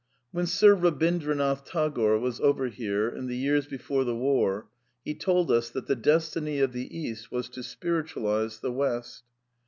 When Sir Eabindranath Tagore was over here, in the years before the War, he told us that the destiny of the East was " to spiritualize the West."